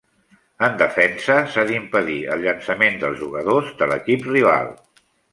En defensa, s'ha d'impedir el llançament dels jugadors de l'equip rival.